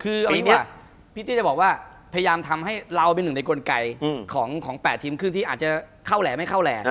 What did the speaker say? คืออันนี้พี่ตี้จะบอกว่าพยายามทำให้เราเป็นหนึ่งในกลไกของ๘ทีมขึ้นที่อาจจะเข้าแหล่ไม่เข้าแหล่